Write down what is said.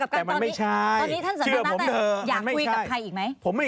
แต่มันไม่ใช่